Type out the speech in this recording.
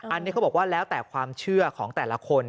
อันนี้เขาบอกว่าแล้วแต่ความเชื่อของแต่ละคน